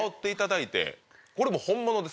これも本物です